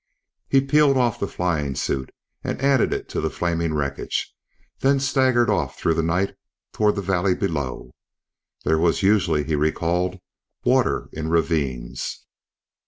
He peeled off the flying suit and added it to the flaming wreckage, then staggered off through the night toward the valley below. There was usually, he recalled, water in ravines.